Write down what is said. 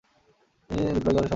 তিনি বিপ্লবী দলের সভ্য ছিলেন।